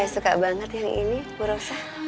saya suka banget yang ini bu rosa